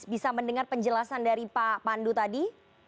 bisa mendengar penjelasan dari pak pandu tadi